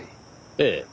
ええ。